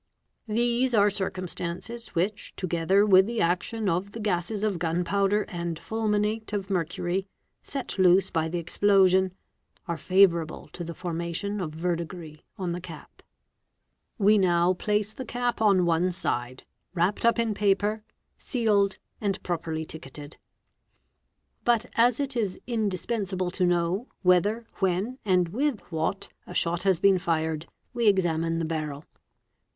These are circumstances which, together with the ) 430 WEAPONS action of the gases of gun powder and fulminate of mercury set loose by the explosion, are favourable to the formation of verdigris on the cap. We now place the cap on one side, wrapped up in paper, sealed, and properly ticketed. Cin '" But as it is indispensable to know, whether, when, and with what, a shot has been fired, we examine the barrel.